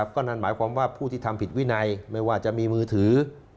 ก็นั่นหมายความว่าผู้ที่ทำผิดวินัยไม่ว่าจะมีมือถือ